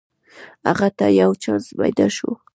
هغه ته یو چانس پیداشو